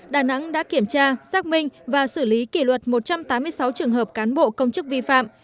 đà nẵng đã kiểm tra xác minh và xử lý kỷ luật một trăm tám mươi sáu trường hợp cán bộ công chức vi phạm